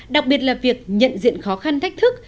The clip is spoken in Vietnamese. đặc biệt là việc nhận diện khó khăn thách thức